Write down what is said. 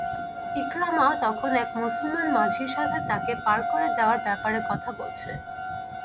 ইকরামা তখন এক মুসলমান মাঝির সাথে তাকে পার করে দেয়ার ব্যাপারে কথা বলছে।